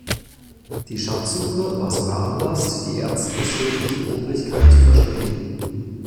Die Schatzsuche war sogar Anlass, die erzbischöfliche Obrigkeit zu verständigen.